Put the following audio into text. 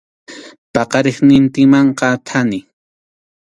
Paqariqnintinmanqa thani.